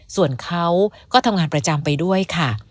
ส่วนเขาก็ทำงานประจำไปด้วยค่ะ